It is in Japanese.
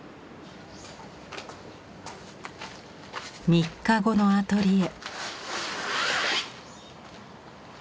３日後のアトリエ。